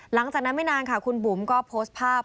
หลังจากนั้นไม่นานค่ะคุณบุ๋มก็โพสต์ภาพ